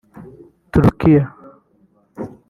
Turukiya